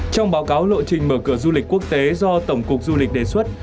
trong báo cáo lộ trình mở cửa du lịch quốc tế do tổng cục du lịch đề xuất